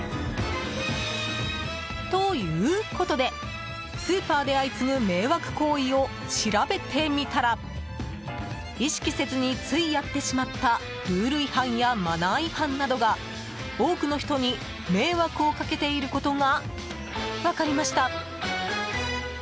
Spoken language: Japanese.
ということでスーパーで相次ぐ迷惑行為を調べてみたら意識せずに、ついやってしまったルール違反やマナー違反などが多くの人に迷惑をかけていることが分かりました。